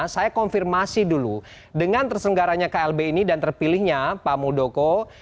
saya konfirmasi dulu dengan terselenggaranya klb ini dan terpilihnya pak muldoko